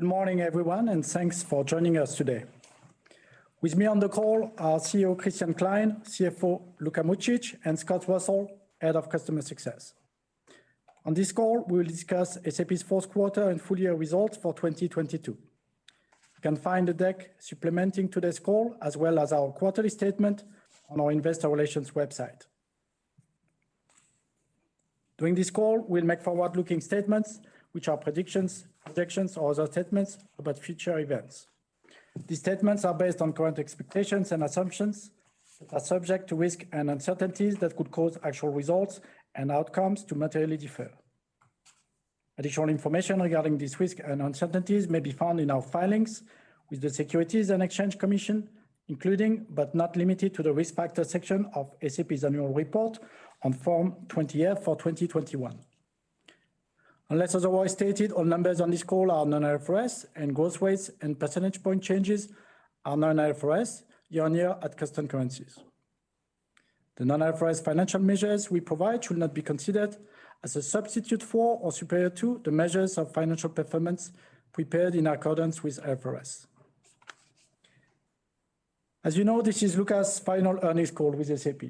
Good morning, everyone, and thanks for joining us today. With me on the call are CEO Christian Klein, CFO Luka Mucic, and Scott Russell, Head of Customer Success. On this call, we'll discuss SAP's Fourth Quarter and Full Year Results for 2022. You can find the deck supplementing today's call as well as our quarterly statement on our investor relations website. During this call, we'll make forward-looking statements, which are predictions, projections or other statements about future events. These statements are based on current expectations and assumptions that are subject to risk and uncertainties that could cause actual results and outcomes to materially differ. Additional information regarding these risks and uncertainties may be found in our filings with the Securities and Exchange Commission, including, but not limited to, the Risk Factors section of SAP's annual report on Form 20-F for 2021. Unless otherwise stated, all numbers on this call are non-IFRS, and growth rates and percentage point changes are non-IFRS year-on-year at custom currencies. The non-IFRS financial measures we provide should not be considered as a substitute for or superior to the measures of financial performance prepared in accordance with IFRS. As you know, this is Luka's final earnings call with SAP.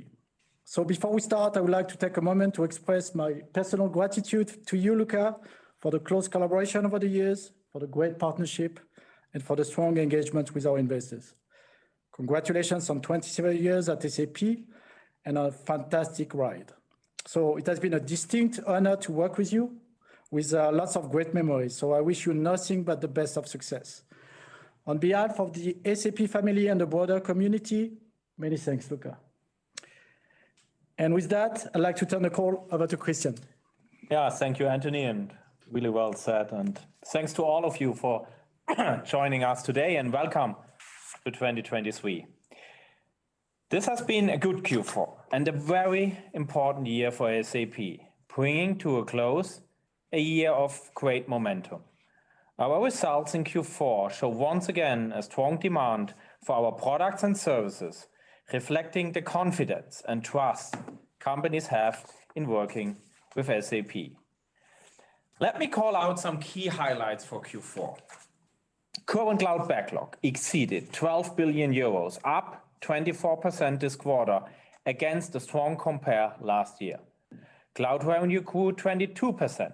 Before we start, I would like to take a moment to express my personal gratitude to you, Luka, for the close collaboration over the years, for the great partnership, and for the strong engagement with our investors. Congratulations on 27 years at SAP and a fantastic ride. It has been a distinct honor to work with you with lots of great memories. I wish you nothing but the best of success. On behalf of the SAP family and the broader community, many thanks, Luka. With that, I'd like to turn the call over to Christian. Thank you, Anthony, and really well said. Thanks to all of you for joining us today, welcome to 2023. This has been a good Q4 and a very important year for SAP, bringing to a close a year of great momentum. Our results in Q4 show once again a strong demand for our products and services, reflecting the confidence and trust companies have in working with SAP. Let me call out some key highlights for Q4. Current Cloud Backlog exceeded 12 billion euros, up 24% this quarter against a strong compare last year. Cloud revenue grew 22%,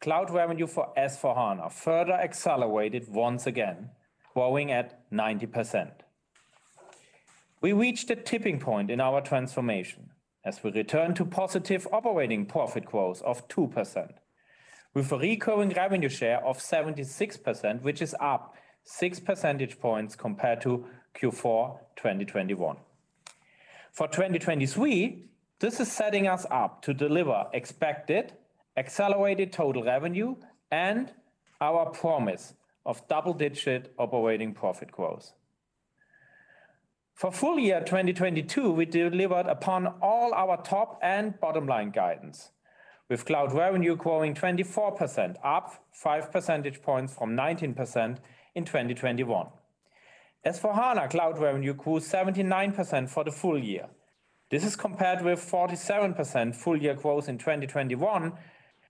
cloud revenue for S/4HANA further accelerated once again, growing at 90%. We reached a tipping point in our transformation as we return to positive operating profit growth of 2% with a recurring revenue share of 76%, which is up 6 percentage points compared to Q4, 2021. For 2023, this is setting us up to deliver expected accelerated total revenue and our promise of double-digit operating profit growth. For full year 2022, we delivered upon all our top and bottom line guidance, with cloud revenue growing 24%, up 5 percentage points from 19% in 2021. S/4HANA Cloud revenue grew 79% for the full year. This is compared with 47% full year growth in 2021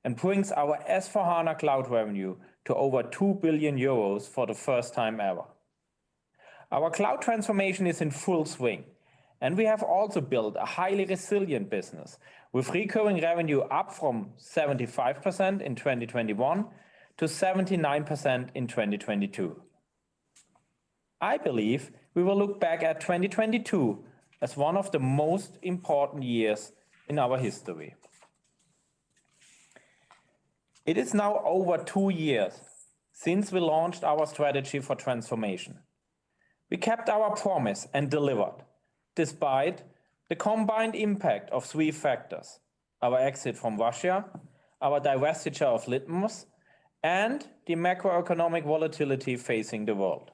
and brings our S/4HANA Cloud revenue to over 2 billion euros for the first time ever. Our cloud transformation is in full swing, and we have also built a highly resilient business, with recurring revenue up from 75% in 2021 to 79% in 2022. I believe we will look back at 2022 as one of the most important years in our history. It is now over 2 years since we launched our strategy for transformation. We kept our promise and delivered despite the combined impact of three factors: our exit from Russia, our divestiture of Litmos, and the macroeconomic volatility facing the world.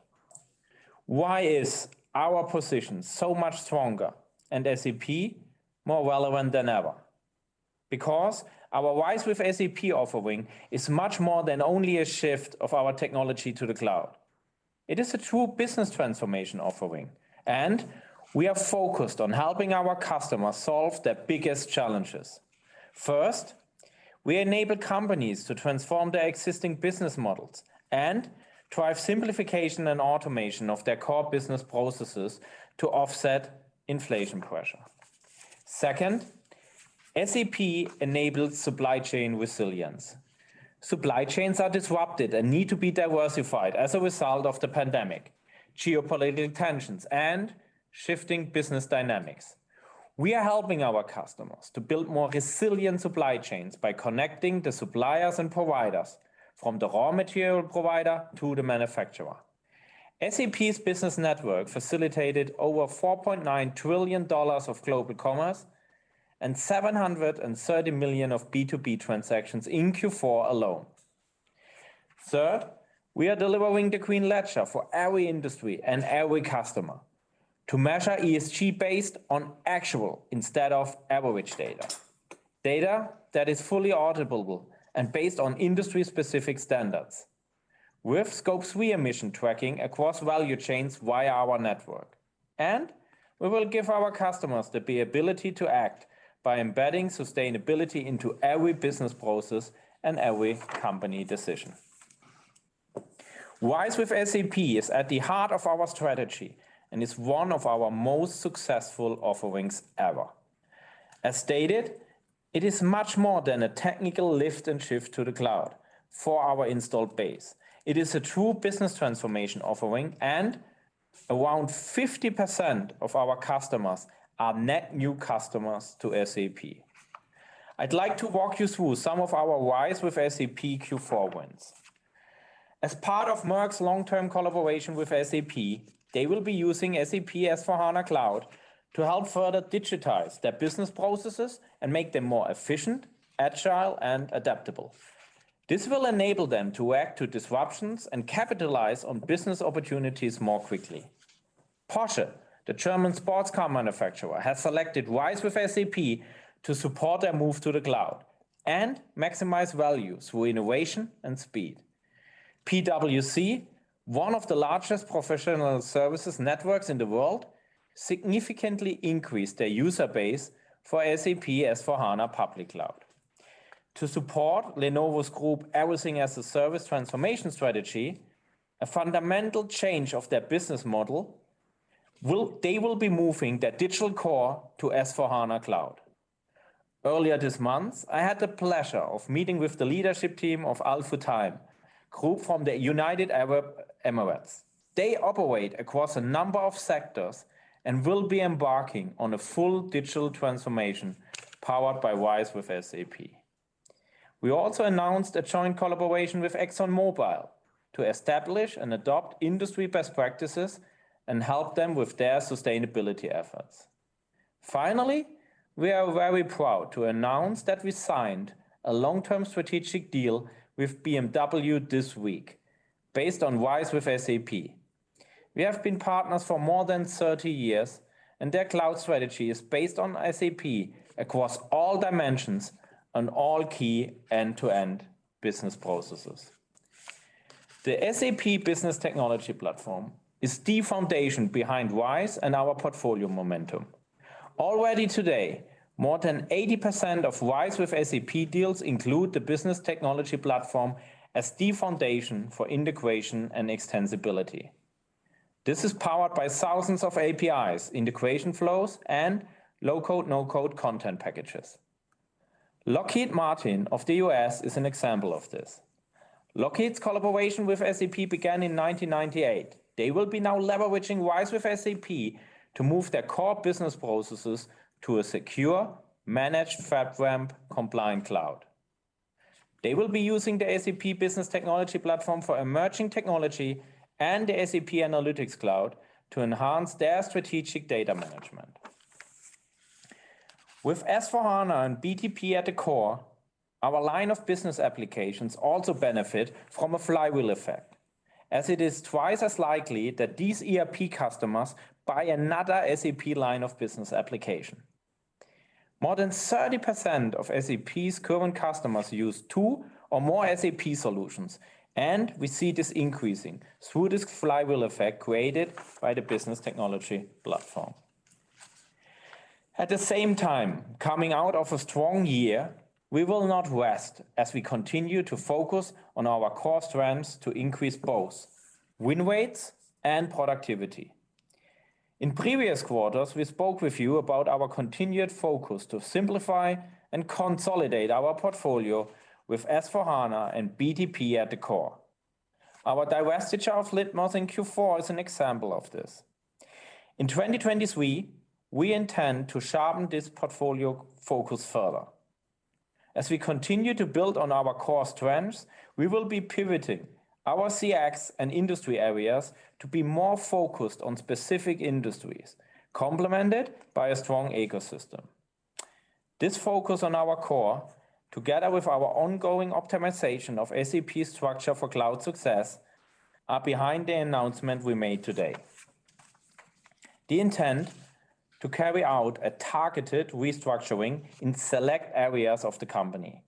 Why is our position so much stronger and SAP more relevant than ever? Because our RISE with SAP offering is much more than only a shift of our technology to the cloud. It is a true business transformation offering, and we are focused on helping our customers solve their biggest challenges. First, we enable companies to transform their existing business models and drive simplification and automation of their core business processes to offset inflation pressure. Second, SAP enables supply chain resilience. Supply chains are disrupted and need to be diversified as a result of the pandemic, geopolitical tensions, and shifting business dynamics. We are helping our customers to build more resilient supply chains by connecting the suppliers and providers from the raw material provider to the manufacturer. SAP's Business Network facilitated over $4.9 trillion of global commerce and 730 million of B2B transactions in Q4 alone. Third, we are delivering the Green Ledger for every industry and every customer to measure ESG based on actual instead of average data. Data that is fully auditable and based on industry-specific standards. With Scope 3 emission tracking across value chains via our network. We will give our customers the ability to act by embedding sustainability into every business process and every company decision. RISE with SAP is at the heart of our strategy, and is one of our most successful offerings ever. As stated, it is much more than a technical lift and shift to the cloud for our installed base. It is a true business transformation offering, and around 50% of our customers are net new customers to SAP. I'd like to walk you through some of our RISE with SAP Q4 wins. As part of Merck's long-term collaboration with SAP, they will be using SAP S/4HANA Cloud to help further digitize their business processes and make them more efficient, agile, and adaptable. This will enable them to act to disruptions and capitalize on business opportunities more quickly. Porsche, the German sports car manufacturer, has selected RISE with SAP to support their move to the cloud and maximize value through innovation and speed. PwC, one of the largest professional services networks in the world, significantly increased their user base for SAP S/4HANA Public Cloud. To support Lenovo's group everything-as-a-service transformation strategy, a fundamental change of their business model, they will be moving their digital core to S/4HANA Cloud. Earlier this month, I had the pleasure of meeting with the leadership team of Al-Futtaim Group from the United Arab Emirates. They operate across a number of sectors and will be embarking on a full digital transformation powered by RISE with SAP. We also announced a joint collaboration with ExxonMobil to establish and adopt industry best practices and help them with their sustainability efforts. Finally, we are very proud to announce that we signed a long-term strategic deal with BMW this week based on RISE with SAP. We have been partners for more than 30 years, and their cloud strategy is based on SAP across all dimensions and all key end-to-end business processes. The SAP Business Technology Platform is the foundation behind RISE and our portfolio momentum. Already today, more than 80% of RISE with SAP deals include the Business Technology Platform as the foundation for integration and extensibility. This is powered by thousands of APIs, integration flows, and low-code/no-code content packages. Lockheed Martin of the U.S. is an example of this. Lockheed's collaboration with SAP began in 1998. They will be now leveraging RISE with SAP to move their core business processes to a secure, managed, FedRAMP compliant cloud. They will be using the SAP Business Technology Platform for emerging technology and the SAP Analytics Cloud to enhance their strategic data management. With S/4HANA and BTP at the core, our line of business applications also benefit from a flywheel effect, as it is twice as likely that these ERP customers buy another SAP line of business application. More than 30% of SAP's current customers use two or more SAP solutions. We see this increasing through this flywheel effect created by the Business Technology Platform. At the same time, coming out of a strong year, we will not rest as we continue to focus on our core strengths to increase both win rates and productivity. In previous quarters, we spoke with you about our continued focus to simplify and consolidate our portfolio with S/4HANA and BTP at the core. Our divestiture of Litmos in Q4 is an example of this. In 2023, we intend to sharpen this portfolio focus further. As we continue to build on our core strengths, we will be pivoting our CX and industry areas to be more focused on specific industries, complemented by a strong ecosystem. This focus on our core, together with our ongoing optimization of SAP's structure for cloud success, are behind the announcement we made today. The intent to carry out a targeted restructuring in select areas of the company.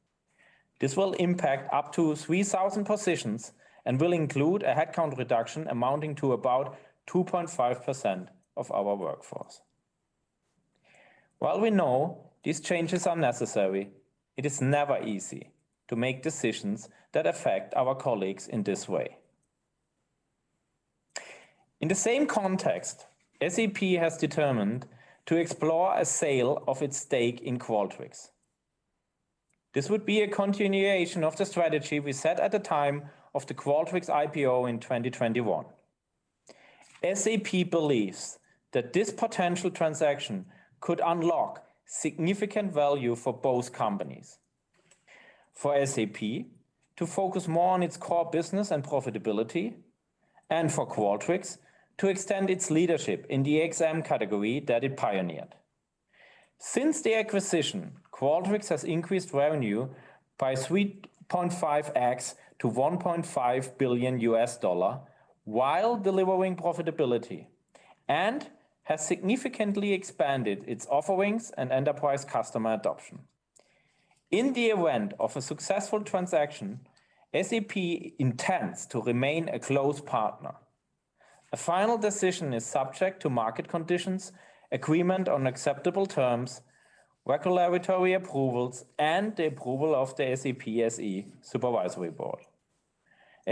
This will impact up to 3,000 positions and will include a headcount reduction amounting to about 2.5% of our workforce. While we know these changes are necessary, it is never easy to make decisions that affect our colleagues in this way. In the same context, SAP has determined to explore a sale of its stake in Qualtrics. This would be a continuation of the strategy we set at the time of the Qualtrics IPO in 2021. SAP believes that this potential transaction could unlock significant value for both companies. For SAP, to focus more on its core business and profitability. For Qualtrics, to extend its leadership in the XM category that it pioneered. Since the acquisition, Qualtrics has increased revenue by 3.5x to $1.5 billion while delivering profitability, and has significantly expanded its offerings and enterprise customer adoption. In the event of a successful transaction, SAP intends to remain a close partner. A final decision is subject to market conditions, agreement on acceptable terms, regulatory approvals, and the approval of the SAP SE Supervisory Board.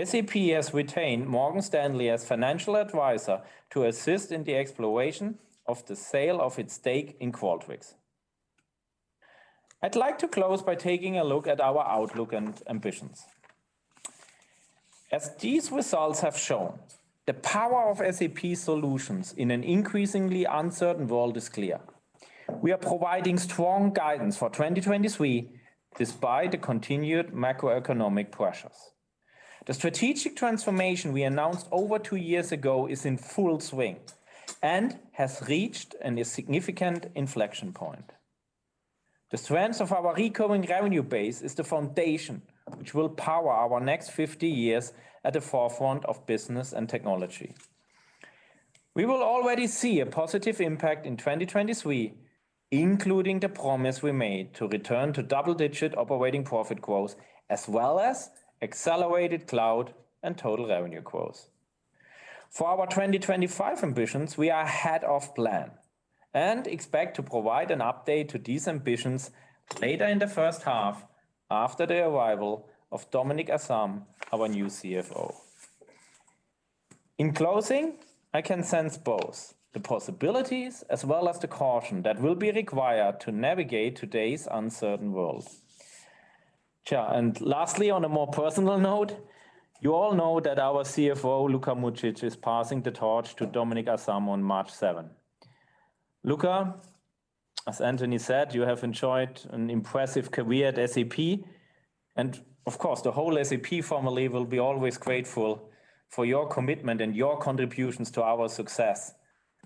SAP has retained Morgan Stanley as financial advisor to assist in the exploration of the sale of its stake in Qualtrics. I'd like to close by taking a look at our outlook and ambitions. As these results have shown, the power of SAP solutions in an increasingly uncertain world is clear. We are providing strong guidance for 2023, despite the continued macroeconomic pressures. The strategic transformation we announced over two years ago is in full swing and has reached a significant inflection point. The strength of our recurring revenue base is the foundation which will power our next 50 years at the forefront of business and technology. We will already see a positive impact in 2023, including the promise we made to return to double-digit operating profit growth, as well as accelerated cloud and total revenue growth. For our 2025 ambitions, we are ahead of plan and expect to provide an update to these ambitions later in the first half after the arrival of Dominik Asam, our new CFO. In closing, I can sense both the possibilities as well as the caution that will be required to navigate today's uncertain world. Lastly, on a more personal note, you all know that our CFO, Luka Mucic, is passing the torch to Dominik Asam on March 7th. Luka, as Anthony said, you have enjoyed an impressive career at SAP, of course, the whole SAP family will be always grateful for your commitment and your contributions to our success.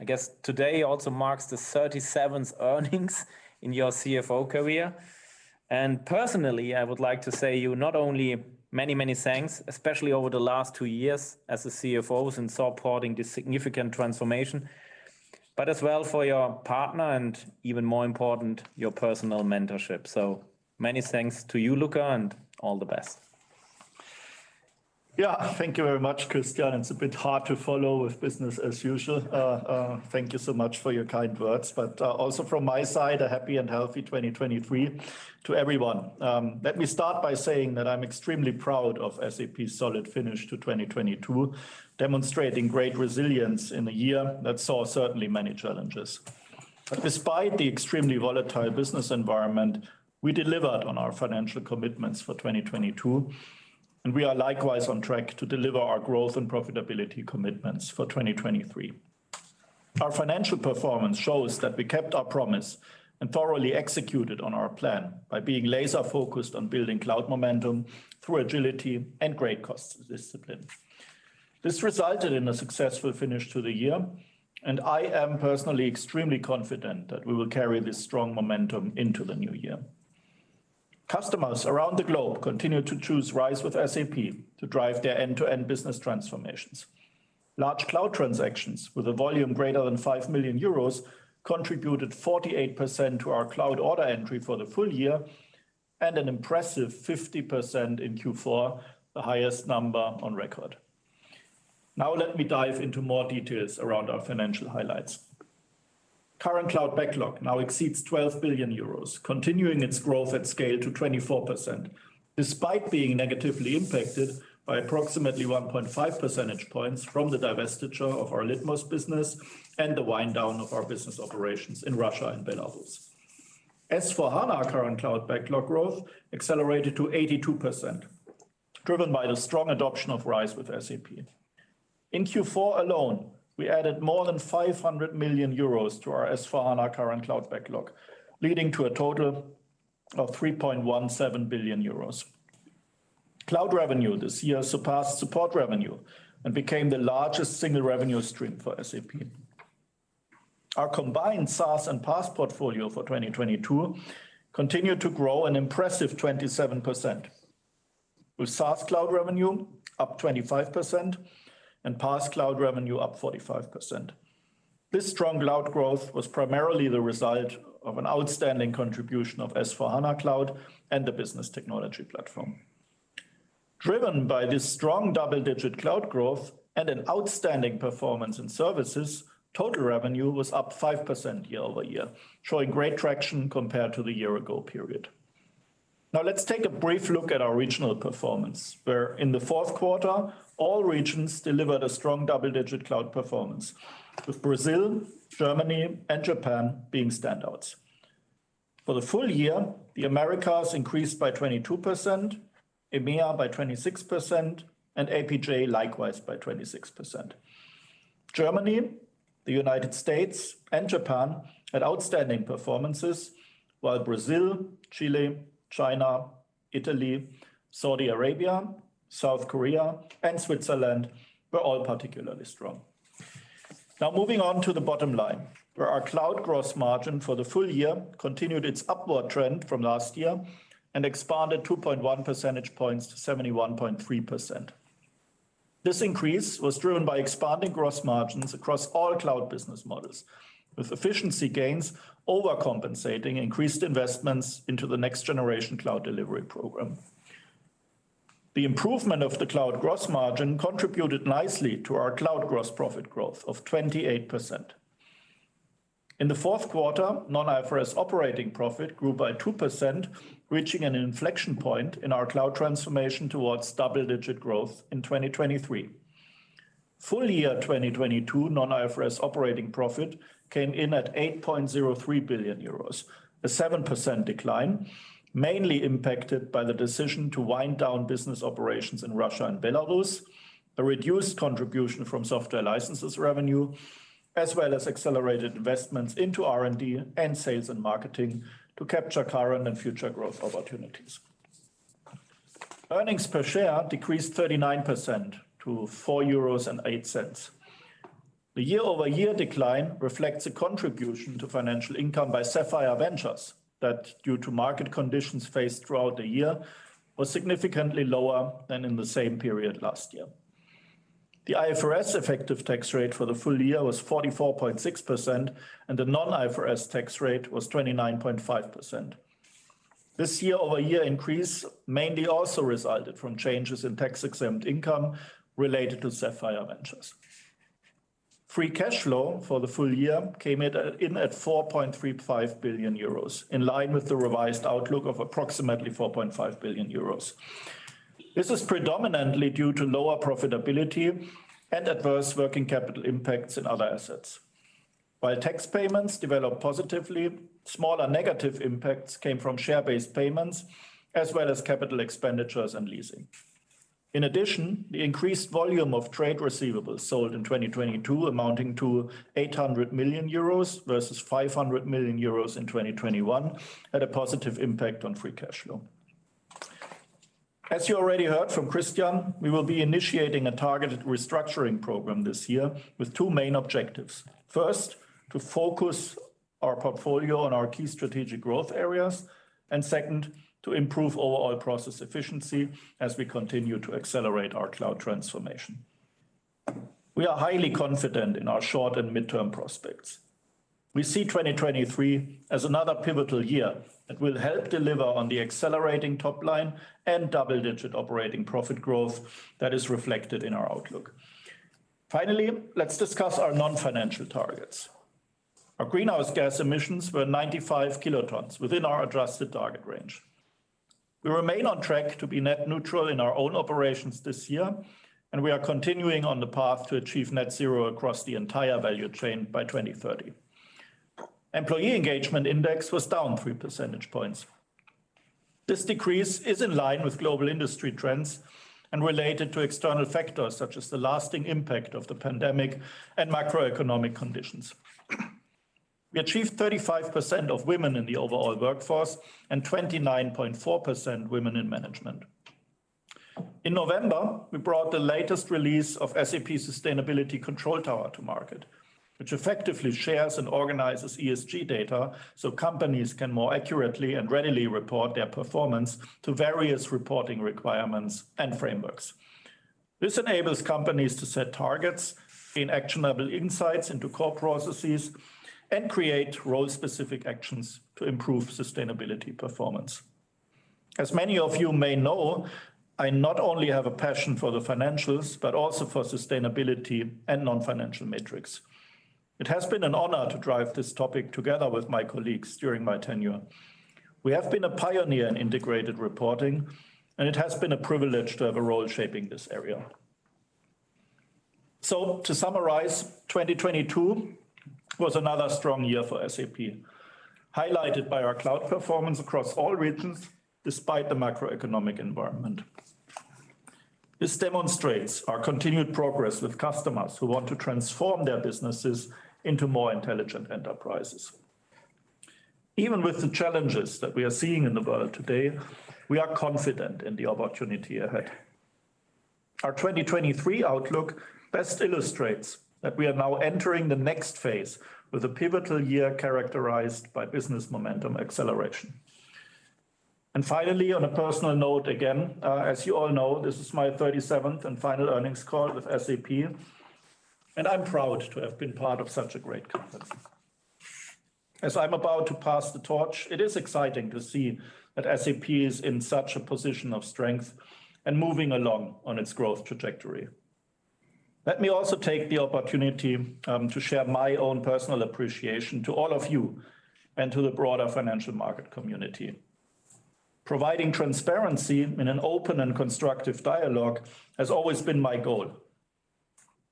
I guess today also marks the 37th earnings in your CFO career, personally, I would like to say you not only many, many thanks, especially over the last two years as the CFO in supporting this significant transformation, but as well for your partner and even more important, your personal mentorship. Many thanks to you, Luka, all the best. Yeah. Thank you very much, Christian. It's a bit hard to follow with business as usual. Thank you so much for your kind words, but also from my side, a happy and healthy 2023 to everyone. Let me start by saying that I'm extremely proud of SAP's solid finish to 2022, demonstrating great resilience in a year that saw certainly many challenges. Despite the extremely volatile business environment, we delivered on our financial commitments for 2022, and we are likewise on track to deliver our growth and profitability commitments for 2023. Our financial performance shows that we kept our promise and thoroughly executed on our plan by being laser-focused on building cloud momentum through agility and great cost discipline. This resulted in a successful finish to the year, and I am personally extremely confident that we will carry this strong momentum into the new year. Customers around the globe continue to choose RISE with SAP to drive their end-to-end business transformations. Large cloud transactions with a volume greater than 5 million euros contributed 48% to our cloud order entry for the full year, and an impressive 50% in Q4, the highest number on record. Let me dive into more details around our financial highlights. Current Cloud Backlog now exceeds 12 billion euros, continuing its growth at scale to 24%, despite being negatively impacted by approximately 1.5 percentage points from the divestiture of our Litmos business and the wind down of our business operations in Russia and Belarus. S/4HANA Current Cloud Backlog growth accelerated to 82%, driven by the strong adoption of RISE with SAP. In Q4 alone, we added more than 500 million euros to our S/4HANA Current Cloud Backlog, leading to a total of 3.17 billion euros. Cloud revenue this year surpassed support revenue and became the largest single revenue stream for SAP. Our combined SaaS and PaaS portfolio for 2022 continued to grow an impressive 27%, with SaaS cloud revenue up 25% and PaaS cloud revenue up 45%. This strong cloud growth was primarily the result of an outstanding contribution of S/4HANA Cloud and the Business Technology Platform. Driven by this strong double-digit cloud growth and an outstanding performance in services, total revenue was up 5% year-over-year, showing great traction compared to the year ago period. Let's take a brief look at our regional performance, where in the 4th quarter, all regions delivered a strong double-digit cloud performance, with Brazil, Germany, and Japan being standouts. For the full year, the Americas increased by 22%, EMEA by 26%, and APJ likewise by 26%. Germany, the United States, and Japan had outstanding performances, while Brazil, Chile, China, Italy, Saudi Arabia, South Korea, and Switzerland were all particularly strong. Moving on to the bottom line, where our cloud gross margin for the full year continued its upward trend from last year and expanded 2.1 percentage points to 71.3%. This increase was driven by expanding gross margins across all cloud business models, with efficiency gains overcompensating increased investments into the next generation cloud delivery program. The improvement of the cloud gross margin contributed nicely to our cloud gross profit growth of 28%. In the fourth quarter, non-IFRS operating profit grew by 2%, reaching an inflection point in our cloud transformation towards double-digit growth in 2023. Full year 2022 non-IFRS operating profit came in at 8.03 billion euros. A 7% decline, mainly impacted by the decision to wind down business operations in Russia and Belarus, a reduced contribution from software licenses revenue, as well as accelerated investments into R&D and sales and marketing to capture current and future growth opportunities. Earnings per share decreased 39% to 4.08 euros. The year-over-year decline reflects a contribution to financial income by Sapphire Ventures that, due to market conditions faced throughout the year, was significantly lower than in the same period last year. The IFRS effective tax rate for the full year was 44.6%, and the non-IFRS tax rate was 29.5%. This year-over-year increase mainly also resulted from changes in tax-exempt income related to Sapphire Ventures. Free cash flow for the full year came in at 4.35 billion euros, in line with the revised outlook of approximately 4.5 billion euros. This is predominantly due to lower profitability and adverse working capital impacts in other assets. While tax payments developed positively, smaller negative impacts came from share-based payments as well as capital expenditures and leasing. In addition, the increased volume of trade receivables sold in 2022 amounting to 800 million euros versus 500 million euros in 2021 had a positive impact on free cash flow. As you already heard from Christian, we will be initiating a targeted restructuring program this year with 2 main objectives. First, to focus our portfolio on our key strategic growth areas. Second, to improve overall process efficiency as we continue to accelerate our cloud transformation. We are highly confident in our short and mid-term prospects. We see 2023 as another pivotal year that will help deliver on the accelerating top line and double-digit operating profit growth that is reflected in our outlook. Finally, let's discuss our non-financial targets. Our greenhouse gas emissions were 95 kilotons, within our adjusted target range. We remain on track to be net neutral in our own operations this year, and we are continuing on the path to achieve net zero across the entire value chain by 2030. Employee engagement index was down 3 percentage points. This decrease is in line with global industry trends and related to external factors such as the lasting impact of the pandemic and macroeconomic conditions. We achieved 35% of women in the overall workforce and 29.4% women in management. In November, we brought the latest release of SAP Sustainability Control Tower to market, which effectively shares and organizes ESG data so companies can more accurately and readily report their performance to various reporting requirements and frameworks. This enables companies to set targets in actionable insights into core processes and create role-specific actions to improve sustainability performance. As many of you may know, I not only have a passion for the financials, but also for sustainability and non-financial metrics. It has been an honor to drive this topic together with my colleagues during my tenure. We have been a pioneer in integrated reporting, and it has been a privilege to have a role in shaping this area. To summarize, 2022 was another strong year for SAP, highlighted by our cloud performance across all regions despite the macroeconomic environment. This demonstrates our continued progress with customers who want to transform their businesses into more intelligent enterprises. Even with the challenges that we are seeing in the world today, we are confident in the opportunity ahead. Our 2023 outlook best illustrates that we are now entering the next phase with a pivotal year characterized by business momentum acceleration. Finally, on a personal note, again, as you all know, this is my 37th and final earnings call with SAP, and I'm proud to have been part of such a great company. As I'm about to pass the torch, it is exciting to see that SAP is in such a position of strength and moving along on its growth trajectory. Let me also take the opportunity to share my own personal appreciation to all of you and to the broader financial market community. Providing transparency in an open and constructive dialogue has always been my goal.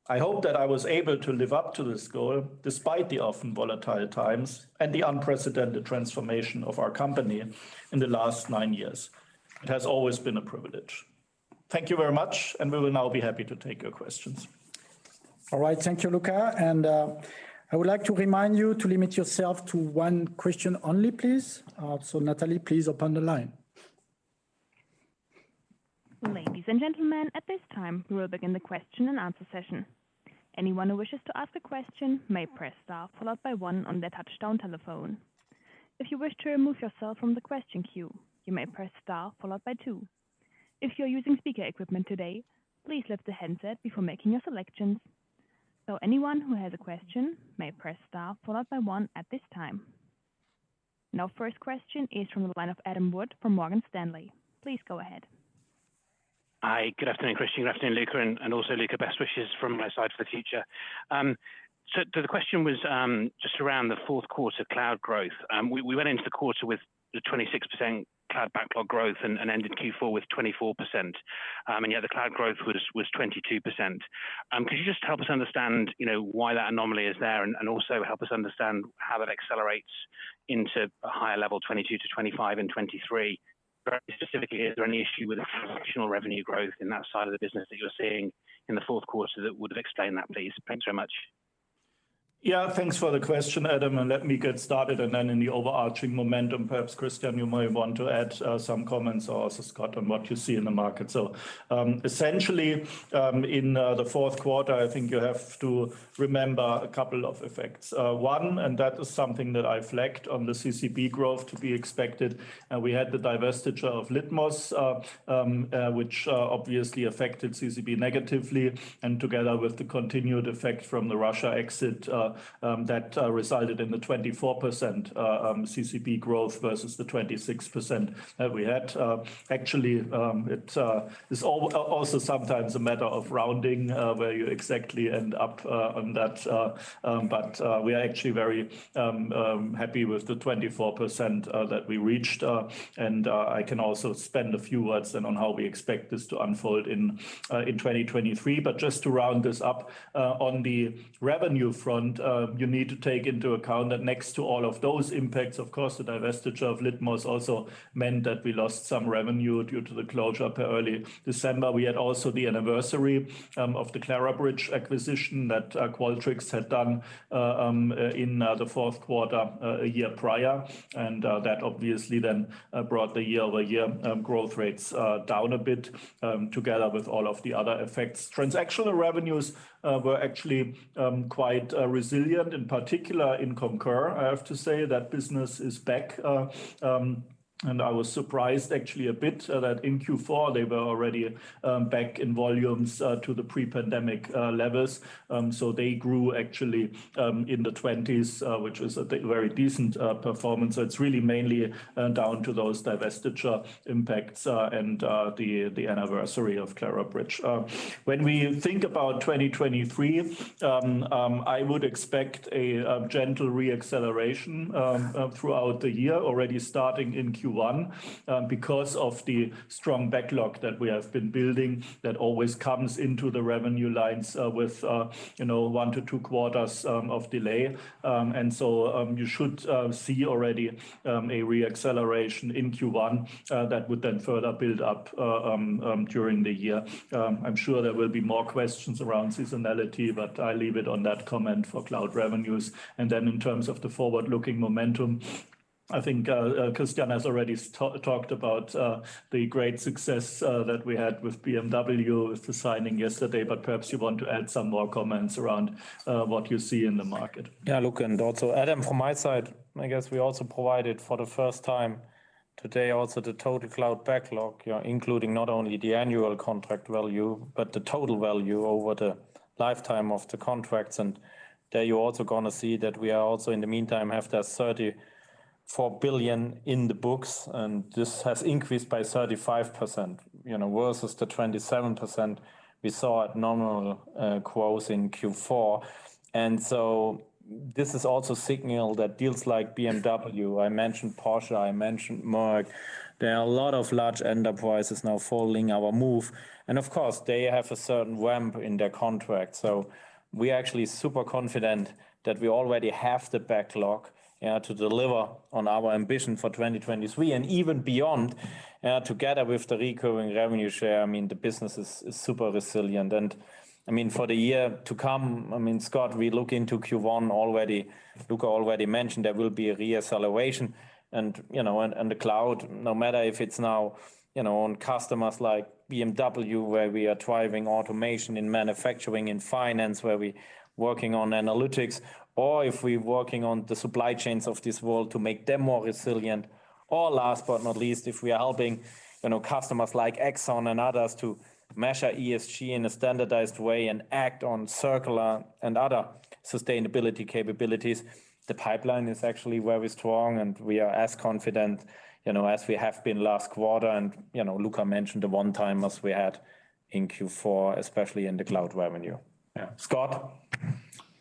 I hope that I was able to live up to this goal despite the often volatile times and the unprecedented transformation of our company in the last nine years. It has always been a privilege. Thank you very much. We will now be happy to take your questions. All right. Thank you, Luka. I would like to remind you to limit yourself to one question only, please. Natalie, please open the line. Ladies and gentlemen, at this time, we will begin the question and answer session. Anyone who wishes to ask a question may press star followed by one on their touch-tone telephone. If you wish to remove yourself from the question queue, you may press star followed by 2. If you're using speaker equipment today, please lift the handset before making your selections. Anyone who has a question may press star followed by 1 at this time. First question is from the line of Adam Wood from Morgan Stanley. Please go ahead. Hi. Good afternoon, Christian. Good afternoon, Luka. Also Luka, best wishes from my side for the future. The question was just around the fourth quarter cloud growth. We went into the quarter with the 26% cloud backlog growth and ended Q4 with 24%. Yet the cloud growth was 22%. Could you just help us understand, you know, why that anomaly is there and also help us understand how that accelerates into a higher level 22%-25% in 2023? Very specifically, is there any issue with the functional revenue growth in that side of the business that you're seeing in the fourth quarter that would explain that, please? Thanks so much. Thanks for the question, Adam, and let me get started, and then in the overarching momentum, perhaps Christian, you may want to add some comments or also Scott on what you see in the market. Essentially, in the fourth quarter, I think you have to remember a couple of effects. One, that is something that I flagged on the CCP growth to be expected, we had the divestiture of Litmos, which obviously affected CCP negatively and together with the continued effect from the Russia exit, that resulted in the 24% CCP growth versus the 26% that we had. Actually, it is also sometimes a matter of rounding, where you exactly end up on that. We are actually very happy with the 24% that we reached. I can also spend a few words then on how we expect this to unfold in 2023. Just to round this up, on the revenue front, you need to take into account that next to all of those impacts, of course, the divestiture of Litmos also meant that we lost some revenue due to the closure early December. We had also the anniversary of the Clarabridge acquisition that Qualtrics had done in the fourth quarter a year prior. That obviously then brought the year-over-year growth rates down a bit together with all of the other effects. Transactional revenues were actually quite resilient, in particular in Concur. I have to say that business is back. I was surprised actually a bit that in Q4, they were already back in volumes to the pre-pandemic levels. They grew actually in the twenties, which was a very decent performance. It's really mainly down to those divestiture impacts and the anniversary of Clarabridge. When we think about 2023, I would expect a gentle re-acceleration throughout the year already starting in Q1, because of the strong backlog that we have been building that always comes into the revenue lines with, you know, one to two quarters of delay. You should see already a re-acceleration in Q1 that would then further build up during the year. I'm sure there will be more questions around seasonality, but I leave it on that comment for cloud revenues. In terms of the forward-looking momentum, I think Christian has already talked about the great success that we had with BMW with the signing yesterday, but perhaps you want to add some more comments around what you see in the market. Yeah, Luka. Also Adam, from my side, I guess we also provided for the first time today also the Total Cloud Backlog, you know, including not only the annual contract value, but the total value over the lifetime of the contracts. There you're also gonna see that we are also in the meantime have 34 billion in the books, and this has increased by 35%, you know, versus the 27% we saw at normal quotes in Q4. This is also signal that deals like BMW, I mentioned Porsche, I mentioned Merck. There are a lot of large enterprises now following our move, and of course, they have a certain ramp in their contract. So we're actually super confident that we already have the backlog, yeah, to deliver on our ambition for 2023 and even beyond together with the recurring revenue share. I mean, the business is super resilient. I mean, for the year to come, I mean, Scott, we look into Q1 already. Luka already mentioned there will be a re-acceleration and, you know, and the cloud, no matter if it's now, you know, on customers like BMW, where we are driving automation in manufacturing, in finance, where we working on analytics, or if we working on the supply chains of this world to make them more resilient. Last but not least, if we are helping, you know, customers like Exxon and others to measure ESG in a standardized way and act on circular and other sustainability capabilities. The pipeline is actually very strong, and we are as confident, you know, as we have been last quarter. Luka mentioned the one-timers we had in Q4, especially in the cloud revenue.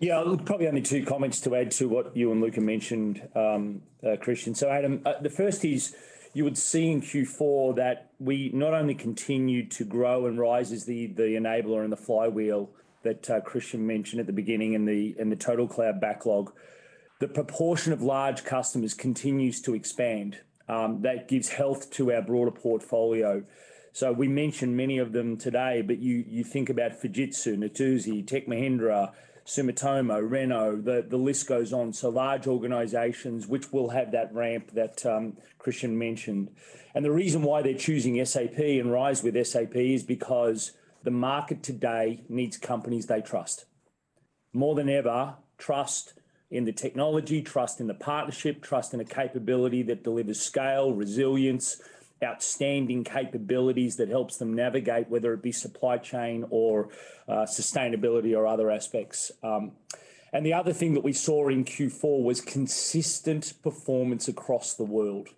Yeah. Scott? Look, probably only two comments to add to what you and Luka mentioned, Christian. Adam, the first is you would see in Q4 that we not only continued to grow and RISE is the enabler and the flywheel that Christian mentioned at the beginning in the Total Cloud Backlog. The proportion of large customers continues to expand. That gives health to our broader portfolio. We mentioned many of them today, but you think about Fujitsu, Natuzzi, Tech Mahindra, Sumitomo, Renault, the list goes on. Large organizations which will have that ramp that Christian mentioned. The reason why they're choosing SAP and RISE with SAP is because the market today needs companies they trust. More than ever, trust in the technology, trust in the partnership, trust in a capability that delivers scale, resilience, outstanding capabilities that helps them navigate, whether it be supply chain or sustainability or other aspects. The other thing that we saw in Q4 was consistent performance across the world.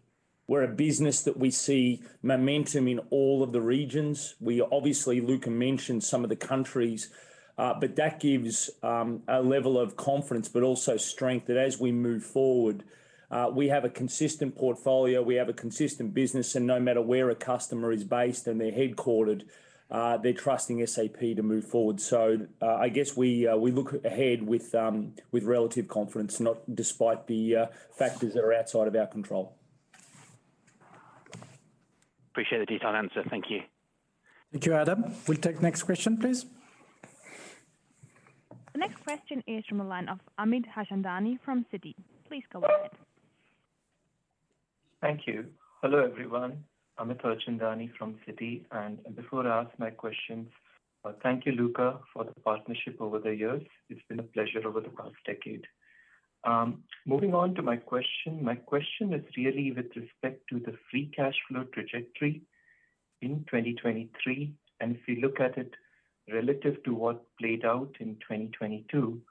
We're a business that we see momentum in all of the regions. We obviously, Luka mentioned some of the countries, but that gives a level of confidence but also strength that as we move forward, we have a consistent portfolio, we have a consistent business, and no matter where a customer is based and they're headquartered, they're trusting SAP to move forward. I guess we look ahead with relative confidence, not despite the factors that are outside of our control. Appreciate the detailed answer. Thank you. Thank you, Adam. We'll take the next question, please. The next question is from the line of Amit Harchandani from Citi. Please go ahead. Thank you. Hello, everyone. Amit Harchandani from Citi. Before I ask my questions, thank you, Luka, for the partnership over the years. It's been a pleasure over the past decade. Moving on to my question. My question is really with respect to the free cash flow trajectory in 2023. If we look at it relative to what played out in 2022,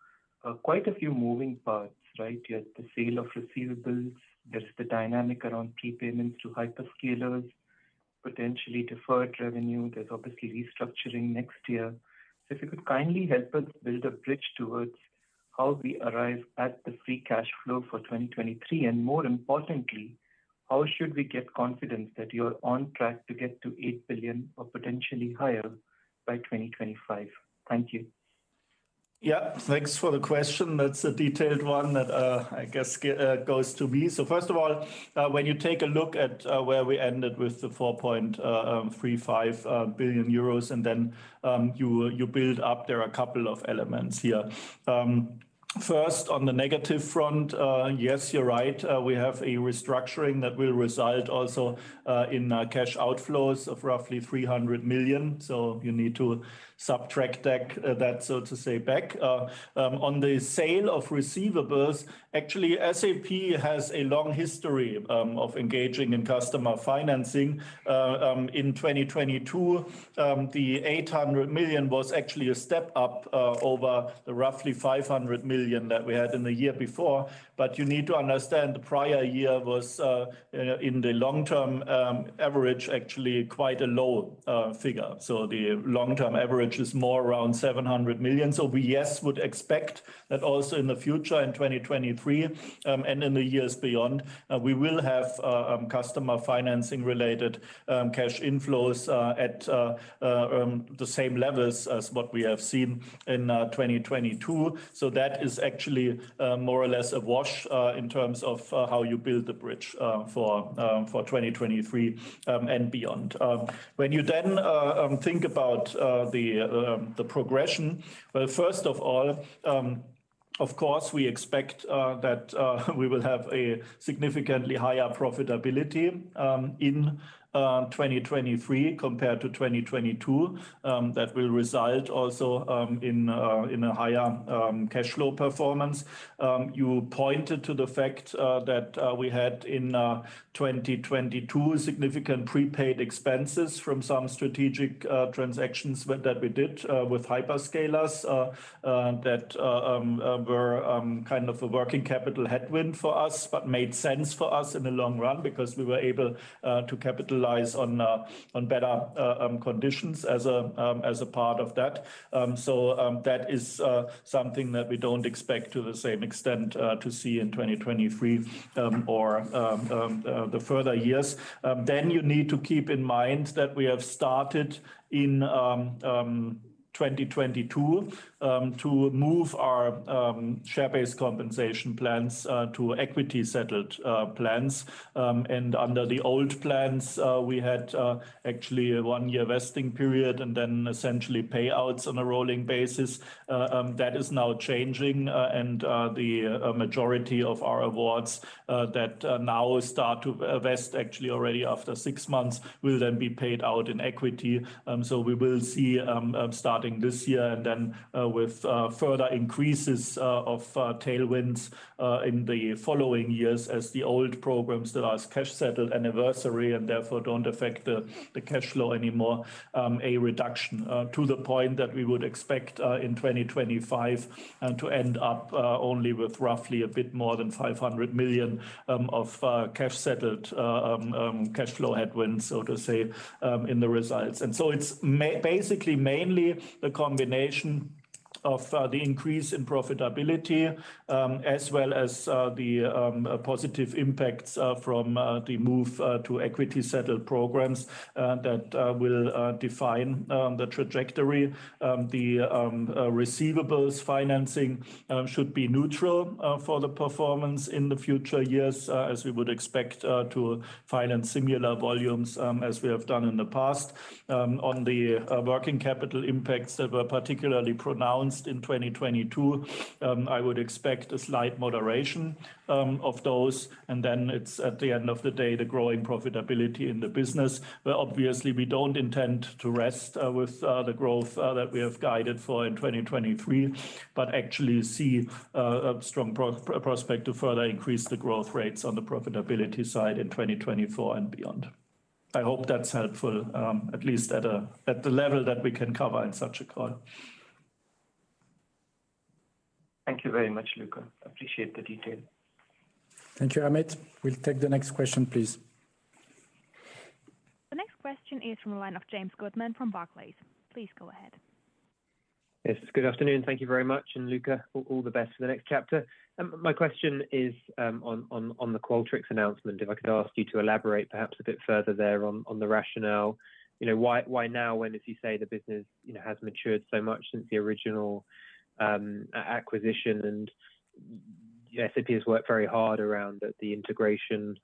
quite a few moving parts, right? You have the sale of receivables. There's the dynamic around prepayments to hyperscalers, potentially deferred revenue. There's obviously restructuring next year. If you could kindly help us build a bridge towards how we arrive at the free cash flow for 2023, and more importantly, how should we get confidence that you're on track to get to 8 billion or potentially higher by 2025? Thank you. Yeah. Thanks for the question. That's a detailed one that, I guess goes to me. First of all, when you take a look at where we ended with the 4.35 billion euros, and then, you build up, there are a couple of elements here. First, on the negative front, yes, you're right. We have a restructuring that will result also in cash outflows of roughly 300 million. You need to subtract back, that, so to say. On the sale of receivables, actually, SAP has a long history of engaging in customer financing. In 2022, the 800 million was actually a step up over the roughly 500 million that we had in the year before. You need to understand the prior year was in the long-term average, actually quite a low figure. The long-term average is more around 700 million. We, yes, would expect that also in the future, in 2023 and in the years beyond, we will have customer financing related cash inflows at the same levels as what we have seen in 2022. That is actually more or less a wash in terms of how you build the bridge for 2023 and beyond. When you then think about the progression, well, first of all, of course, we expect that we will have a significantly higher profitability in 2023 compared to 2022. That will result also in a higher cash flow performance. You pointed to the fact that we had in 2022 significant prepaid expenses from some strategic transactions that we did with hyperscalers that were kind of a working capital headwind for us, but made sense for us in the long run because we were able to capitalize on better conditions as a part of that. That is something that we don't expect to the same extent to see in 2023 or the further years. You need to keep in mind that we have started in 2022 to move our share-based compensation plans to equity-settled plans. Under the old plans, we had actually a one-year vesting period and then essentially payouts on a rolling basis. That is now changing, and the majority of our awards that now start to vest actually already after six months will then be paid out in equity. We will see starting this year and then with further increases of tailwinds in the following years as the old programs that are cash settled anniversary and therefore don't affect the cash flow anymore, a reduction to the point that we would expect in 2025 to end up only with roughly a bit more than 500 million of cash settled cash flow headwinds, so to say, in the results. It's basically mainly a combination of the increase in profitability as well as the positive impacts from the move to equity settled programs that will define the trajectory. The receivables financing should be neutral for the performance in the future years, as we would expect to finance similar volumes as we have done in the past. On the working capital impacts that were particularly pronounced in 2022, I would expect a slight moderation of those, and then it's at the end of the day, the growing profitability in the business. Obviously, we don't intend to rest with the growth that we have guided for in 2023, but actually see a strong prospect to further increase the growth rates on the profitability side in 2024 and beyond. I hope that's helpful, at least at the level that we can cover in such a call. Thank you very much, Luka. Appreciate the detail. Thank you, Amit. We'll take the next question, please. The next question is from the line of James Goodman from Barclays. Please go ahead. Yes. Good afternoon. Thank you very much. Luka, all the best for the next chapter. My question is on the Qualtrics announcement. If I could ask you to elaborate perhaps a bit further there on the rationale. You know, why now, when as you say, the business, you know, has matured so much since the original acquisition and SAP has worked very hard around the integration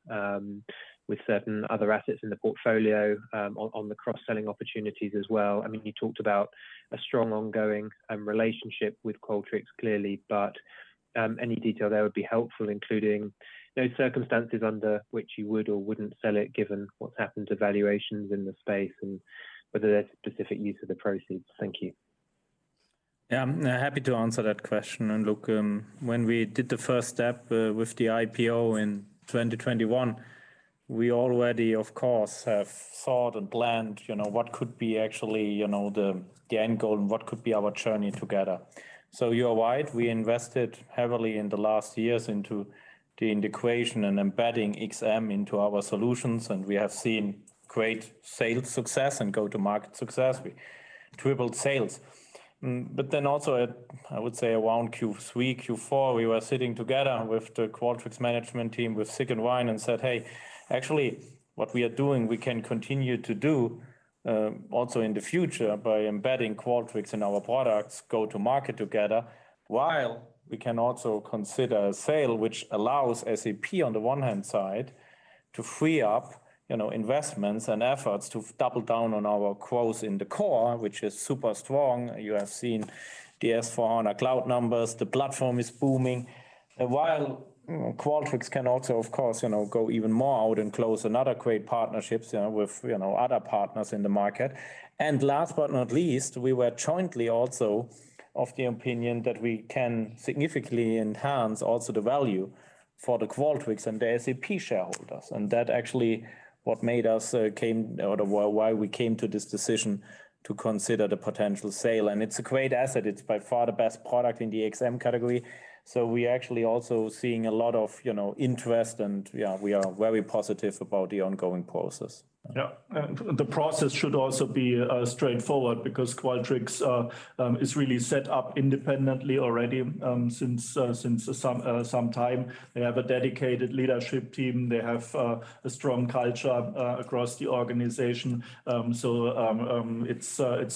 with certain other assets in the portfolio on the cross-selling opportunities as well. I mean, you talked about a strong ongoing relationship with Qualtrics clearly, but any detail there would be helpful, including those circumstances under which you would or wouldn't sell it given what's happened to valuations in the space and whether there's specific use of the proceeds. Thank you. Yeah. I'm happy to answer that question. Look, when we did the first step with the IPO in 2021, we already of course have thought and planned, you know, what could be actually, you know, the end goal and what could be our journey together. You are right, we invested heavily in the last years into the integration and embedding XM into our solutions, and we have seen great sales success and go-to-market success. We tripled sales. Also at, I would say around Q3, Q4, we were sitting together with the Qualtrics management team with Zig and Ryan and said, "Hey, actually what we are doing, we can continue to do, also in the future by embedding Qualtrics in our products, go to market together, while we can also consider a sale which allows SAP on the one hand side to free up, you know, investments and efforts to double down on our growth in the core, which is super strong." You have seen the S/4HANA Cloud numbers, the platform is booming. Qualtrics can also, of course, you know, go even more out and close another great partnerships, you know, with, you know, other partners in the market. Last but not least, we were jointly also of the opinion that we can significantly enhance also the value for the Qualtrics and the SAP shareholders. That actually what made us why we came to this decision to consider the potential sale. It's a great asset. It's by far the best product in the XM category. We actually also seeing a lot of, you know, interest and yeah, we are very positive about the ongoing process. Yeah. The process should also be straightforward because Qualtrics is really set up independently already since some time. They have a dedicated leadership team. They have a strong culture across the organization. It's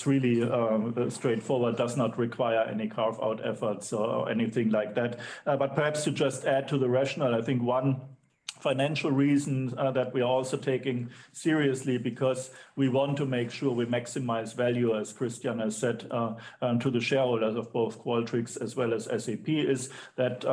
really straightforward, does not require any carve-out efforts or anything like that. Perhaps to just add to the rationale, I think one financial reason that we are also taking seriously because we want to make sure we maximize value, as Christian has said, to the shareholders of both Qualtrics as well as SAP, is that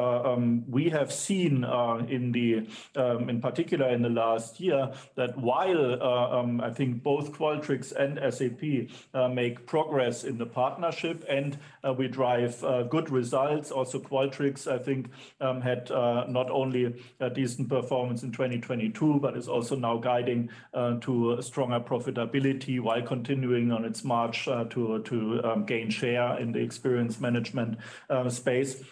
we have seen in particular in the last year that while I think both Qualtrics and SAP make progress in the partnership and we drive good results. Also, Qualtrics, I think, had not only a decent performance in 2022, but is also now guiding to a stronger profitability while continuing on its march to gain share in the experience management space.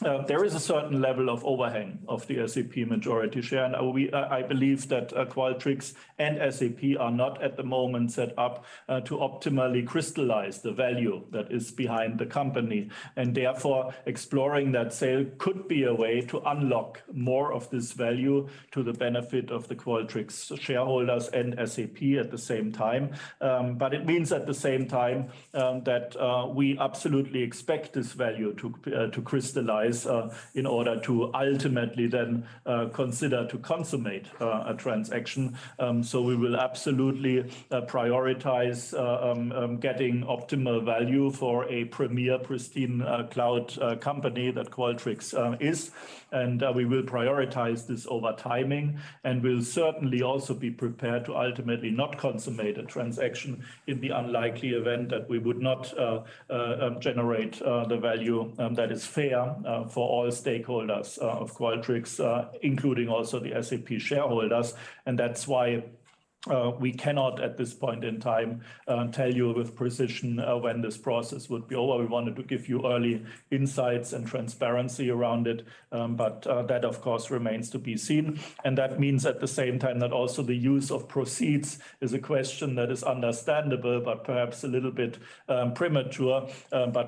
There is a certain level of overhang of the SAP majority share, I believe that Qualtrics and SAP are not at the moment set up to optimally crystallize the value that is behind the company. Therefore, exploring that sale could be a way to unlock more of this value to the benefit of the Qualtrics shareholders and SAP at the same time. But it means at the same time that we absolutely expect this value to crystallize in order to ultimately then consider to consummate a transaction. We will absolutely prioritize getting optimal value for a premier pristine cloud company that Qualtrics is. We will prioritize this over timing, and we'll certainly also be prepared to ultimately not consummate a transaction in the unlikely event that we would not generate the value that is fair for all stakeholders of Qualtrics, including also the SAP shareholders. That's why we cannot, at this point in time, tell you with precision when this process would be over. We wanted to give you early insights and transparency around it, that of course remains to be seen. That means at the same time that also the use of proceeds is a question that is understandable but perhaps a little bit premature.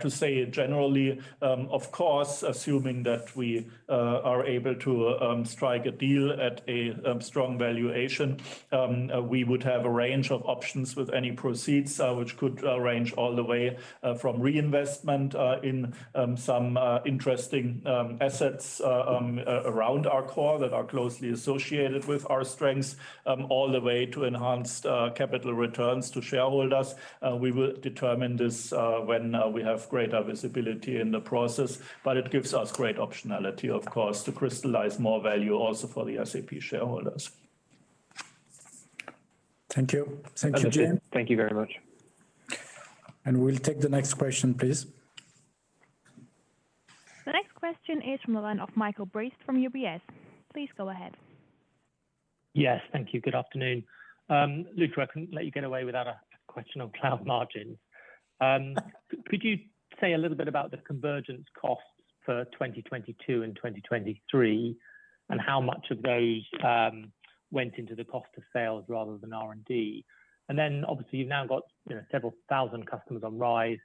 To say generally, of course, assuming that we are able to strike a deal at a strong valuation, we would have a range of options with any proceeds, which could range all the way from reinvestment in some interesting assets around our core that are closely associated with our strengths, all the way to enhanced capital returns to shareholders. We will determine this when we have greater visibility in the process, but it gives us great optionality, of course, to crystallize more value also for the SAP shareholders. Thank you. Thank you, James. Thank you very much. We'll take the next question, please. The next question is from the line of Michael Briest from UBS. Please go ahead. Yes. Thank you. Good afternoon. Luka, I couldn't let you get away without a question on cloud margins. Could you say a little bit about the convergence costs for 2022 and 2023, and how much of those went into the cost of sales rather than R&D? Then obviously, you've now got, you know, several thousand customers on Rise.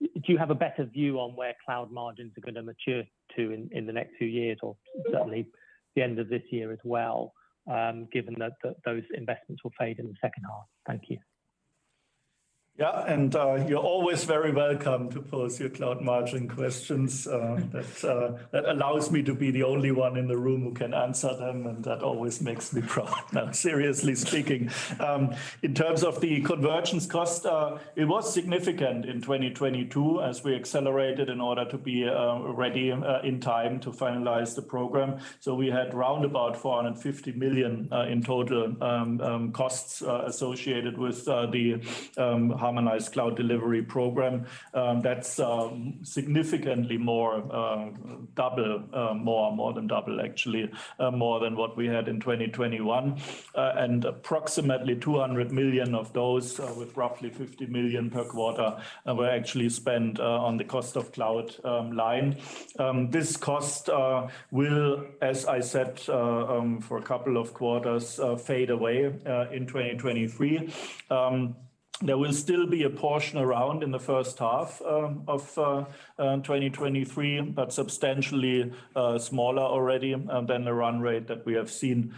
Do you have a better view on where cloud margins are gonna mature to in the next two years or certainly the end of this year as well, given that those investments were paid in the second half? Thank you. Yeah. You're always very welcome to pose your cloud margin questions. That allows me to be the only one in the room who can answer them, and that always makes me proud. No, seriously speaking, in terms of the convergence cost, it was significant in 2022 as we accelerated in order to be ready in time to finalize the program. We had round about 450 million in total costs associated with the harmonized cloud delivery program. That's significantly more, double, more than double actually, more than what we had in 2021. Approximately 200 million of those, with roughly 50 million per quarter were actually spent on the cost of cloud line. This cost will, as I said, for a couple of quarters, fade away in 2023. There will still be a portion around in the first half of 2023, but substantially smaller already than the run rate that we have seen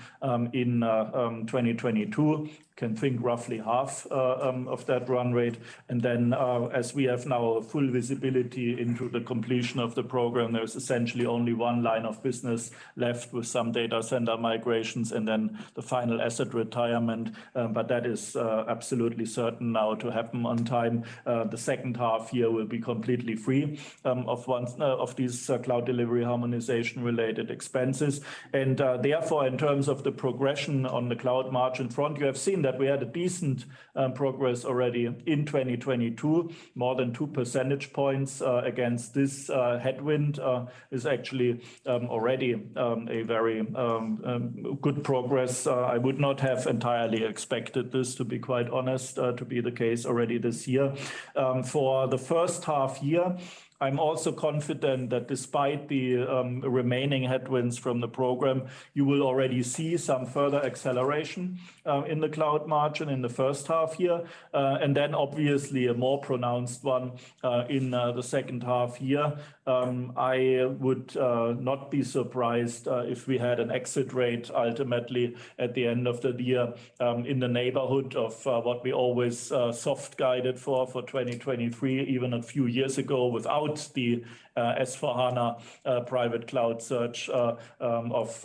in 2022. Can think roughly half of that run rate. As we have now full visibility into the completion of the program, there is essentially only one line of business left with some data center migrations and then the final asset retirement. But that is absolutely certain now to happen on time. The second half year will be completely free of these cloud delivery harmonization related expenses. Therefore, in terms of the progression on the cloud margin front, you have seen that we had a decent progress already in 2022. More than 2 percentage points against this headwind is actually already a very good progress. I would not have entirely expected this, to be quite honest, to be the case already this year. For the first half year, I'm also confident that despite the remaining headwinds from the program, you will already see some further acceleration in the cloud margin in the first half year. Then obviously a more pronounced one in the second half year. I would not be surprised if we had an exit rate ultimately at the end of the year in the neighborhood of what we always soft guided for for 2023, even a few years ago, without the S/4HANA private cloud of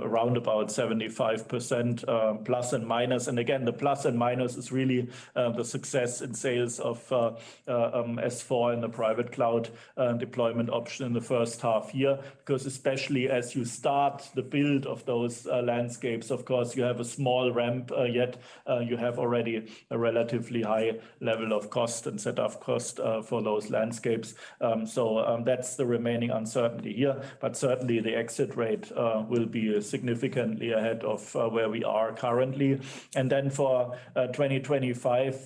around about 75% plus and minus. And again, the plus and minus is really the success in sales of S/4 in the private cloud deployment option in the first half year. Because especially as you start the build of those landscapes, of course you have a small ramp, yet you have already a relatively high level of cost for those landscapes. So that's the remaining uncertainty here. Certainly the exit rate will be significantly ahead of where we are currently. Then for 2025,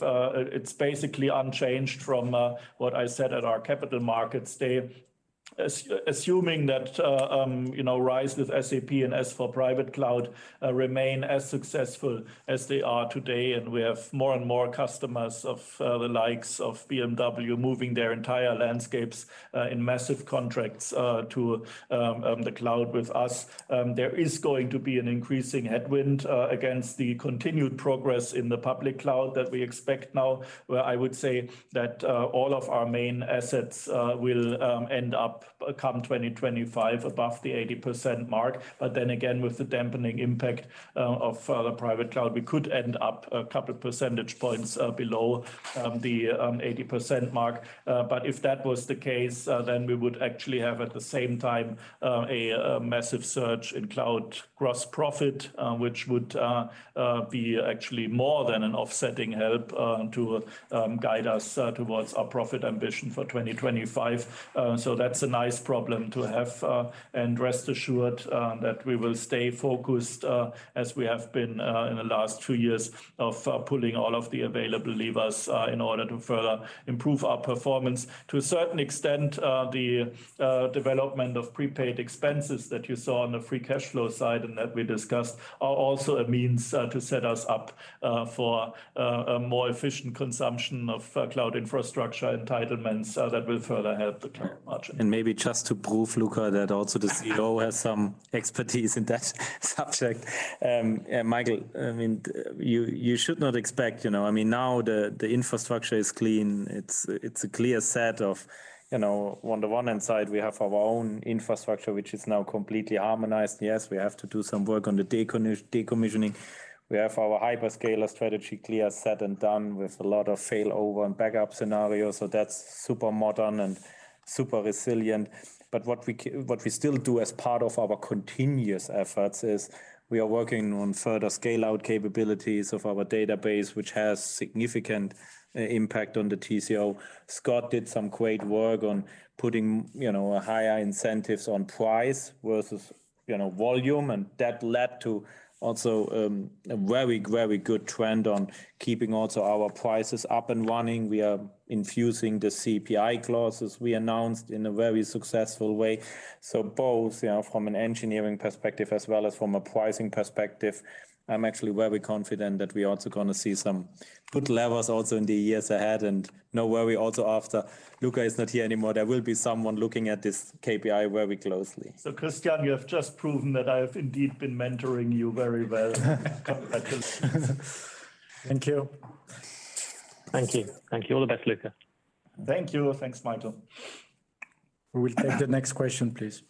it's basically unchanged from what I said at our capital markets day. Assuming that, you know, Rise with SAP and S/4 private cloud remain as successful as they are today, and we have more and more customers of the likes of BMW moving their entire landscapes in massive contracts to the cloud with us, there is going to be an increasing headwind against the continued progress in the public cloud that we expect now. I would say that all of our main assets will end up come 2025 above the 80% mark. Again, with the dampening impact of the private cloud, we could end up a couple percentage points below the 80% mark. If that was the case, then we would actually have, at the same time, a massive surge in cloud gross profit, which would be actually more than an offsetting help to guide us towards our profit ambition for 2025. That's a nice problem to have. Rest assured, that we will stay focused, as we have been, in the last two years of pulling all of the available levers, in order to further improve our performance. To a certain extent, the development of prepaid expenses that you saw on the free cash flow side and that we discussed are also a means to set us up for a more efficient consumption of cloud infrastructure entitlements that will further help the cloud margin. Maybe just to prove, Luka, that also the CEO has some expertise in that subject. Michael, I mean, you should not expect, you know, I mean, now the infrastructure is clean. It's a clear set of, you know, on the one hand side, we have our own infrastructure, which is now completely harmonized. Yes, we have to do some work on the decommissioning. We have our hyperscaler strategy clear, set and done with a lot of failover and backup scenarios. That's super modern and super resilient. What we still do as part of our continuous efforts is we are working on further scale out capabilities of our database, which has significant impact on the TCO. Scott did some great work on putting, you know, higher incentives on price versus, you know, volume, and that led to also, a very, very good trend on keeping also our prices up and running. We are infusing the CPI clauses we announced in a very successful way. Both, you know, from an engineering perspective as well as from a pricing perspective, I'm actually very confident that we're also gonna see some good levels also in the years ahead. Know where we also after Luka is not here anymore, there will be someone looking at this KPI very closely. Christian, you have just proven that I have indeed been mentoring you very well over the years. Thank you. Thank you. Thank you. All the best, Luka. Thank you. Thanks, Michael. We'll take the next question, please.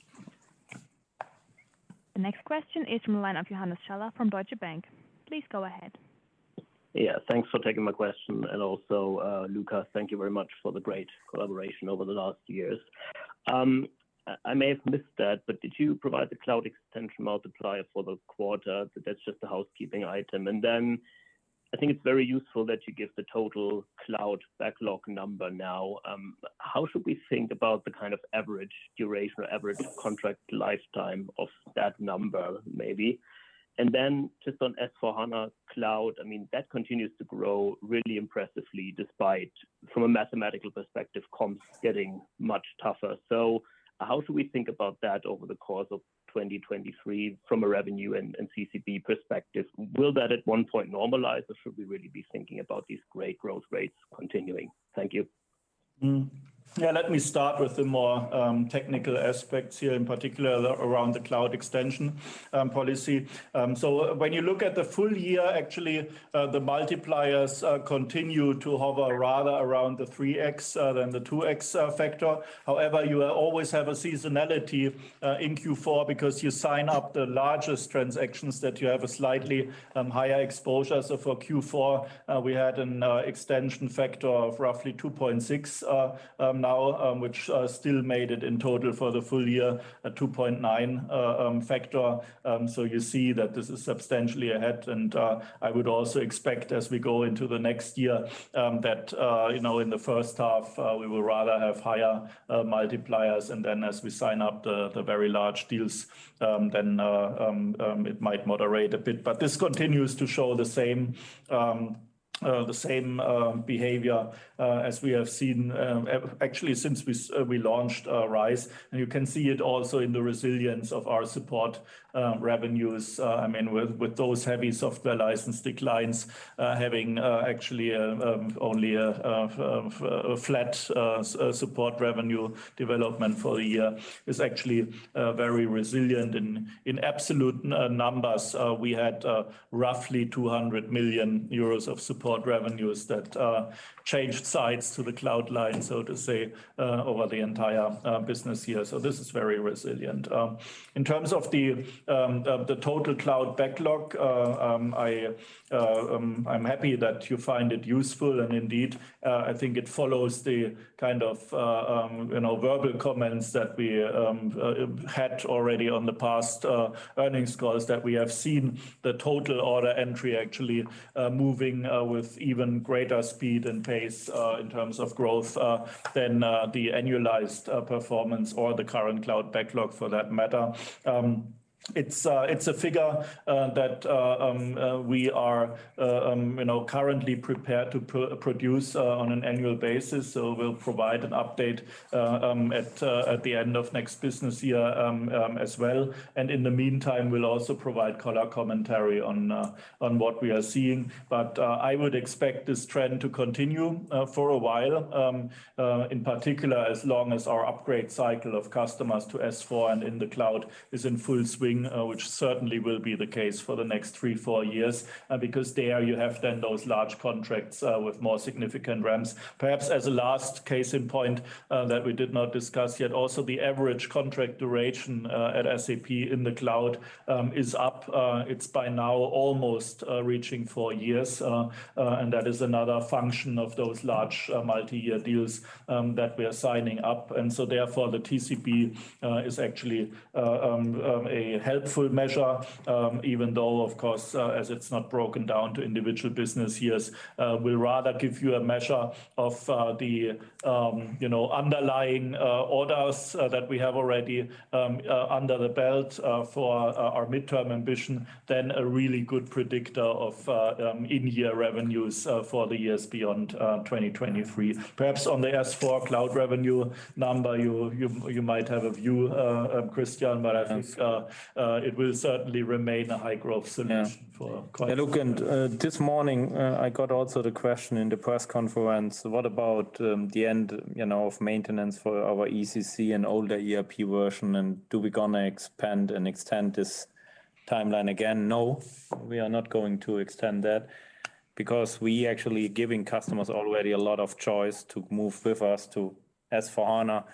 The next question is from the line of Johannes Schaller from Deutsche Bank. Please go ahead. Yeah, thanks for taking my question. Also, Luka, thank you very much for the great collaboration over the last years. I may have missed that, did you provide the cloud extension multiplier for the quarter? That's just a housekeeping item. Then I think it's very useful that you give the Total Cloud Backlog number now. How should we think about the kind of average duration or average contract lifetime of that number maybe? Then just on S/4HANA Cloud, I mean, that continues to grow really impressively despite from a mathematical perspective comps getting much tougher. How should we think about that over the course of 2023 from a revenue and CCP perspective? Will that at one point normalize, should we really be thinking about these great growth rates continuing? Thank you. Yeah, let me start with the more technical aspects here, in particular around the cloud extension policy. When you look at the full year, actually, the multipliers continue to hover rather around the 3x than the 2x factor. However, you always have a seasonality in Q4 because you sign up the largest transactions that you have a slightly higher exposure. For Q4, we had an extension factor of roughly 2.6 now, which still made it in total for the full year a 2.9 factor. You see that this is substantially ahead. I would also expect as we go into the next year that, you know, in the first half, we will rather have higher multipliers. As we sign up the very large deals, it might moderate a bit. This continues to show the same behavior as we have seen actually since we launched RISE. You can see it also in the resilience of our support revenues. I mean, with those heavy software license declines, having actually only a flat support revenue development for the year is actually very resilient. In absolute numbers, we had roughly 200 million euros of support revenues that changed sides to the cloud line, so to say, over the entire business year. This is very resilient. In terms of the Total Cloud Backlog, I'm happy that you find it useful. Indeed, I think it follows the kind of, you know, verbal comments that we had already on the past earnings calls that we have seen the total order entry actually moving with even greater speed and pace in terms of growth than the annualized performance or the Current Cloud Backlog for that matter. It's a figure that we are, you know, currently prepared to produce on an annual basis. We'll provide an update at the end of next business year as well. In the meantime, we'll also provide color commentary on what we are seeing. I would expect this trend to continue for a while, in particular, as long as our upgrade cycle of customers to S/4 and in the cloud is in full swing, which certainly will be the case for the next three, four years. There you have then those large contracts with more significant ramps. Perhaps as a last case in point that we did not discuss yet, also the average contract duration at SAP in the cloud is up. It's by now almost reaching four years. That is another function of those large multi-year deals that we are signing up. Therefore, the TCP is actually a helpful measure, even though, of course, as it's not broken down to individual business years. We'll rather give you a measure of the, you know, underlying orders that we have already under the belt for our midterm ambition than a really good predictor of in-year revenues for the years beyond 2023. Perhaps on the S/4HANA Cloud revenue number, you might have a view, Christian, but I think it will certainly remain a high-growth solution for quite a while. Yeah. Look, this morning, I got also the question in the press conference, what about, you know, of maintenance for our ECC and older ERP version, and do we gonna expand and extend this timeline again? No, we are not going to extend that because we actually giving customers already a lot of choice to move with us to S/4HANA.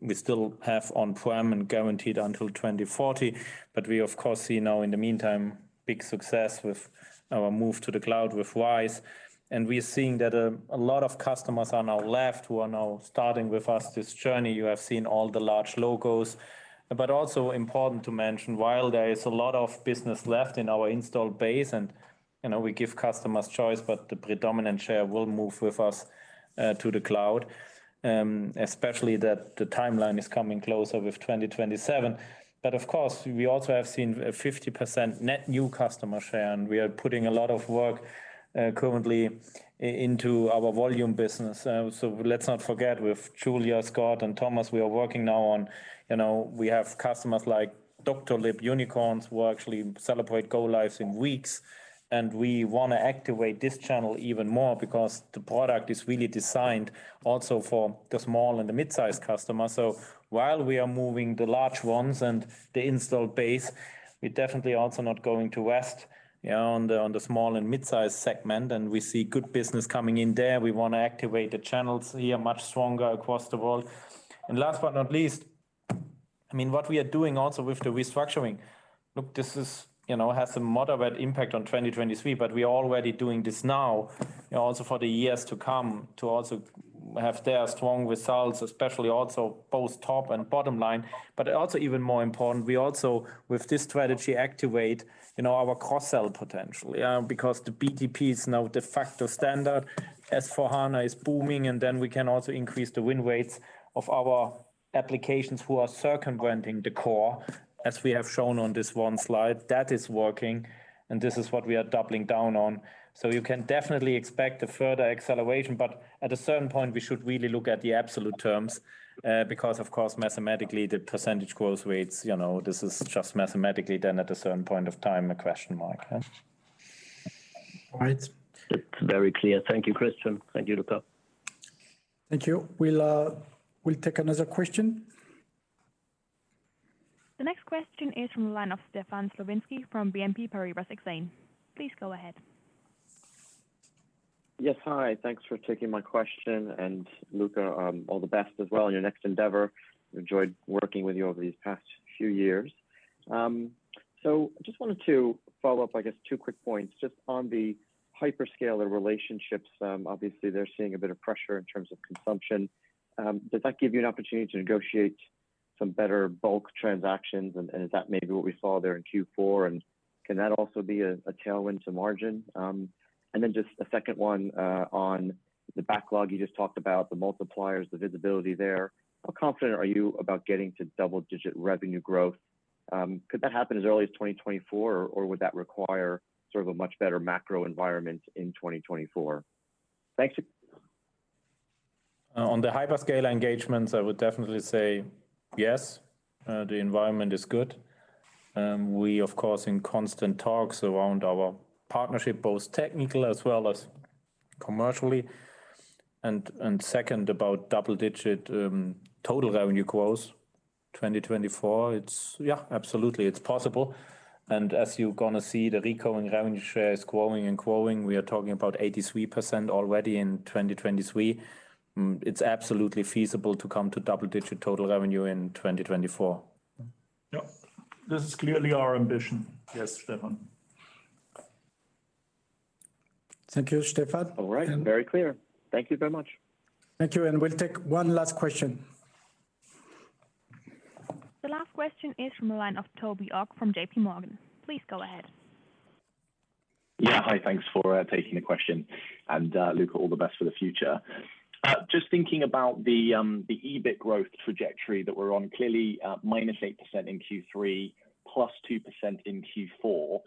We still have on-prem and guaranteed until 2040, but we of course see now in the meantime, big success with our move to the cloud with RISE. We're seeing that a lot of customers on our left who are now starting with us this journey, you have seen all the large logos. Also important to mention, while there is a lot of business left in our installed base, and, you know, we give customers choice, but the predominant share will move with us to the cloud. Especially that the timeline is coming closer with 2027. Of course, we also have seen a 50% net new customer share, and we are putting a lot of work currently into our volume business. Let's not forget with Julia, Scott, and Thomas, we are working now on, you know, we have customers like Docplanner, Unicorns, who actually celebrate go-lives in weeks. We wanna activate this channel even more because the product is really designed also for the small and the mid-sized customer. While we are moving the large ones and the installed base, we're definitely also not going to rest, you know, on the small and mid-sized segment. We see good business coming in there. We wanna activate the channels here much stronger across the world. Last but not least, I mean, what we are doing also with the restructuring, look, this is, you know, has a moderate impact on 2023, but we are already doing this now, you know, also for the years to come, to also have there strong results, especially also both top and bottom line. Also even more important, we also with this strategy activate, you know, our cross-sell potential, because the BTP is now de facto standard. S/4HANA is booming. We can also increase the win rates of our applications who are circumventing the core, as we have shown on this one slide. That is working, and this is what we are doubling down on. You can definitely expect a further acceleration, but at a certain point, we should really look at the absolute terms, because of course, mathematically, the percentage growth rates, you know, this is just mathematically then at a certain point of time a question mark. All right. It's very clear. Thank you, Christian. Thank you, Luka. Thank you. We'll take another question. The next question is from the line of Stefan Slowinski from BNP Paribas Exane. Please go ahead. Yes. Hi. Thanks for taking my question. Luka, all the best as well in your next endeavor. I enjoyed working with you over these past few years. Just wanted to follow up, I guess two quick points. Just on the hyperscaler relationships, obviously they're seeing a bit of pressure in terms of consumption. Does that give you an opportunity to negotiate some better bulk transactions, and is that maybe what we saw there in Q4, and can that also be a tailwind to margin? Then just a second one, on the backlog you just talked about, the multipliers, the visibility there. How confident are you about getting to double-digit revenue growth? Could that happen as early as 2024, or would that require sort of a much better macro environment in 2024? Thanks. On the hyperscaler engagements, I would definitely say yes, the environment is good. We of course in constant talks around our partnership, both technical as well as commercially. Second, about double-digit, total revenue growth, 2024, it's. Yeah, absolutely. It's possible. As you're gonna see, the recurring revenue share is growing and growing. We are talking about 83% already in 2023. It's absolutely feasible to come to double-digit total revenue in 2024. Yeah. This is clearly our ambition. Yes, Stefan. Thank you, Stefan. All right. Very clear. Thank you very much. Thank you. We'll take one last question. The last question is from the line of Toby Ogg from JPMorgan. Please go ahead. Yeah, hi. Thanks for taking the question. Luka, all the best for the future. Just thinking about the EBIT growth trajectory that we're on, clearly, -8% in Q3, +2% in Q4.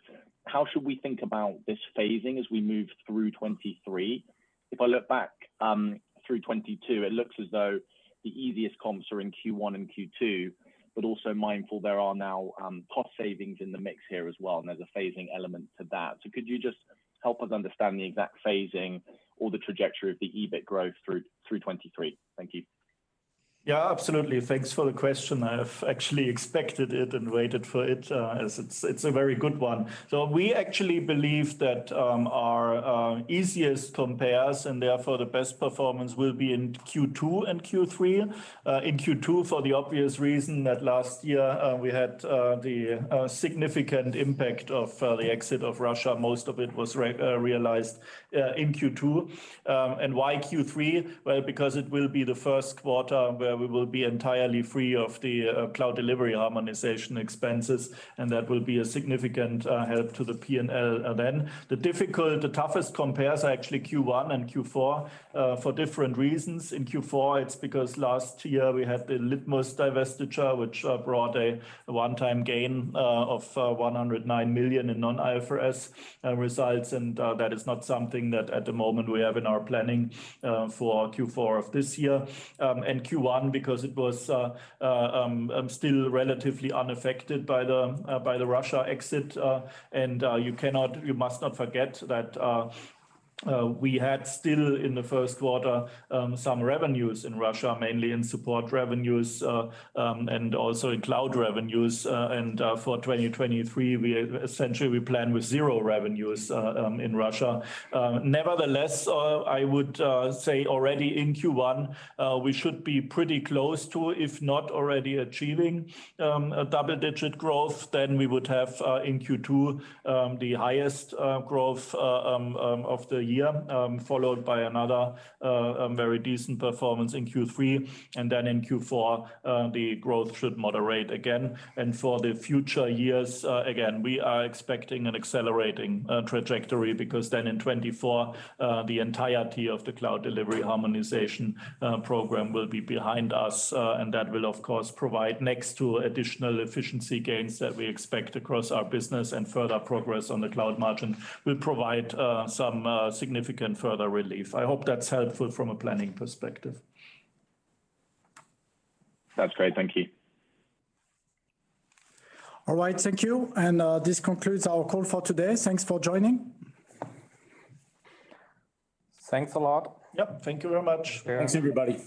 How should we think about this phasing as we move through 2023? If I look back through 2022, it looks as though the easiest comps are in Q1 and Q2, but also mindful there are now cost savings in the mix here as well, and there's a phasing element to that. Could you just help us understand the exact phasing or the trajectory of the EBIT growth through 2023? Thank you. Yeah. Absolutely. Thanks for the question. I've actually expected it and waited for it, as it's a very good one. We actually believe that our easiest compares, and therefore the best performance will be in Q2 and Q3. In Q2 for the obvious reason that last year we had the significant impact of the exit of Russia. Most of it was realized in Q2. Why Q3? Well, because it will be the first quarter where we will be entirely free of the cloud delivery harmonization expenses, and that will be a significant help to the P&L. The toughest compares are actually Q1 and Q4 for different reasons. In Q4, it's because last year we had the Litmos divestiture, which brought a one-time gain of 109 million in non-IFRS results. That is not something that at the moment we have in our planning for Q4 of this year. Q1 because it was still relatively unaffected by the Russia exit. You must not forget that we had still in the first quarter some revenues in Russia, mainly in support revenues and also in cloud revenues. For 2023, we essentially we plan with zero revenues in Russia. Nevertheless, I would say already in Q1 we should be pretty close to, if not already achieving, a double-digit growth. We would have in Q2 the highest growth of the year, followed by another very decent performance in Q3. In Q4 the growth should moderate again. For the future years, again, we are expecting an accelerating trajectory, because then in 2024 the entirety of the cloud delivery harmonization program will be behind us. That will of course provide next to additional efficiency gains that we expect across our business and further progress on the cloud margin, will provide some significant further relief. I hope that's helpful from a planning perspective. That's great. Thank you. All right. Thank you. This concludes our call for today. Thanks for joining. Thanks a lot. Yep. Thank you very much. Yeah. Thanks, everybody.